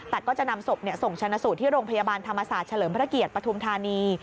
แต่ก็จะนำศพส่งชนะสูตรที่โรงพยาบาลธรรมศาสตร์เฉลิมพระเกียรติปฐุมธานี